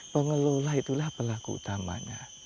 pengelola itulah pelaku utamanya